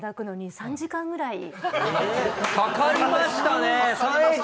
かかりましたね３Ｈ！